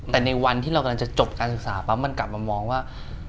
แต่ในวันที่เรากำลังจะจบการศึกษาปั๊บมันกลับมามองว่า